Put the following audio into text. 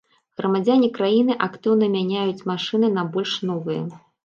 Грамадзяне краіны актыўна мяняюць машыны на больш новыя.